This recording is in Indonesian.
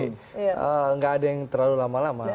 tidak ada yang terlalu lama lama